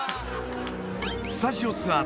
スタジオツアー